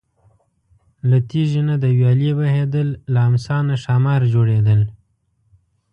له تیږې نه د ویالې بهیدل، له امسا نه ښامار جوړېدل.